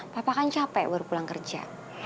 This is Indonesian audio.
bapak kan capek baru pulang kerja